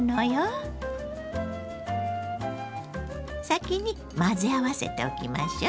先に混ぜ合わせておきましょ。